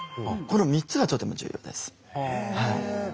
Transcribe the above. この３つがとても重要です。